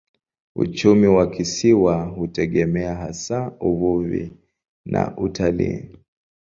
Uchumi wa kisiwa hutegemea hasa uvuvi na utalii.